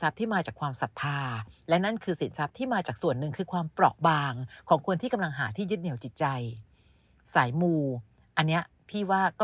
บางของคนที่กำลังหาที่ยึดเหนียวจิตใจสายมูอันนี้พี่ว่าก็